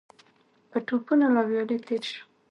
په ټوپونو له ويالې تېر شو.